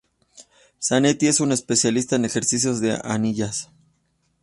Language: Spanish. Zanetti es un especialista en ejercicios de anillas.